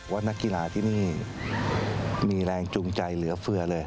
นักกีฬาที่นี่มีแรงจูงใจเหลือเฟือเลย